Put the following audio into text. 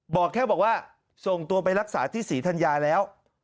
บอกแค่บอกว่าส่งตัวไปรักษาที่ศรีธัญญาแล้ว